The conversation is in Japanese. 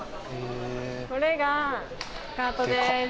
これがカートです。